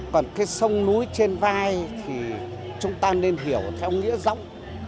còn cái sông núi trên vai thì chúng ta nên hiểu theo nghĩa giỗng